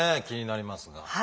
気になりますが。